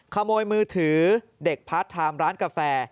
ขโมยมือถือเด็กพัดทามร้านกาแฟ